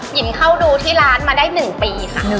หญิงเข้าดูที่ร้านมาได้๑ปีค่ะ